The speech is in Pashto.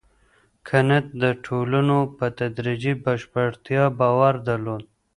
کنت د ټولنو په تدريجي بشپړتيا باور درلود.